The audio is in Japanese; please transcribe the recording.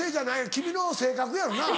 君の性格やろな。